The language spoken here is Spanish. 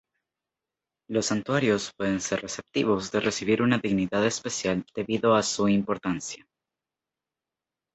Los santuarios pueden ser receptivos de recibir una dignidad especial debido a su importancia.